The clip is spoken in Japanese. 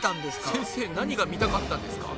先生何が見たかったんですか？